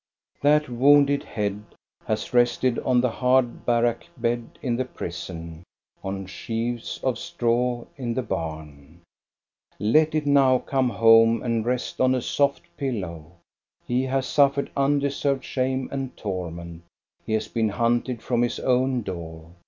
That wounded head has rested on the hard barrack bed in the prison, on sheaves of straw in the barn. BROBY FAIR 433 Let it now come home and rest on a soft pillow! He has suffered undeserved shame and torment, he has been hunted from his own door.